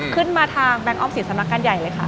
ขึ้นมาทางแบงค์ออมสินสำนักงานใหญ่เลยค่ะ